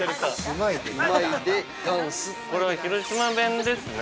◆これは広島弁ですね。